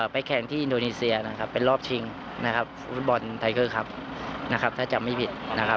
ไปแข่งที่อินโดนีเซียเป็นรอบชิงฟุตบอลไทเกอร์คับถ้าจำไม่ผิด